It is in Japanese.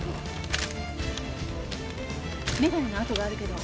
眼鏡の痕があるけど。